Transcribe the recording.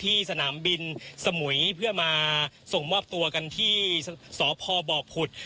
สนามบินสมุยเพื่อมาส่งมอบตัวกันที่สพบผุด